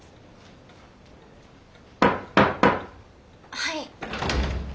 はい。